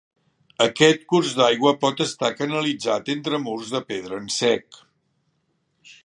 Aquest curs d'aigua pot estar canalitzat entre murs de pedra en sec.